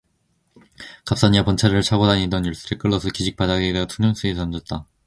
갑산이와 번차례로 차고 다니던 열쇠를 끌러서 기직 바닥에다가 퉁명스러이 던졌다.